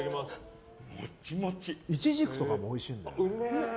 イチジクとかもおいしいんだよ。